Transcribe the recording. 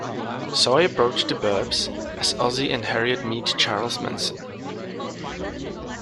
So I approached "The 'Burbs" as "Ozzie and Harriet Meet Charles Manson".